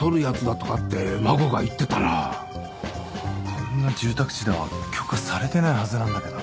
こんな住宅地では許可されてないはずなんだけど。